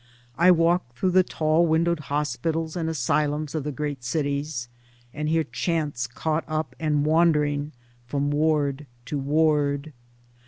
I walk through the tall windowed hospitals and asylums of the great cities and hear chants caught up and wandering from ward to ward.